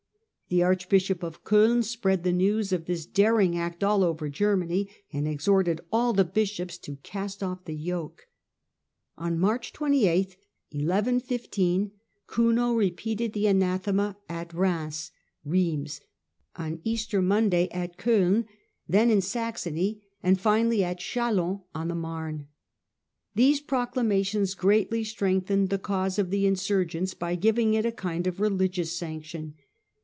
The archbishop of Coin spread the news of this daring act all over Germany, and exhorted all the bishops to cast off the yoke. On March 28, 1115, Kuno repeated the anathema at Reims; on Easter Monday at C5ln, then in Saxony, and finally at Chalons on the Marne. These proclamations greatly strengthened the cause of the insurgents by giving it a kind of religious sanc tion.